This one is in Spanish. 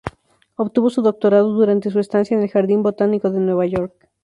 Obtuvo su doctorado durante su estancia en el Jardín Botánico de Nueva York.